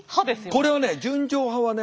これはね純情派はね